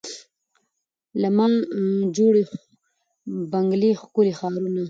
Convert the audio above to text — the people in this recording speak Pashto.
له ما جوړي بنګلې ښکلي ښارونه